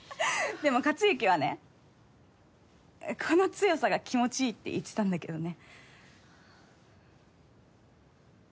でも克行はねこの強さが気持ちいいって言ってたんだけどね。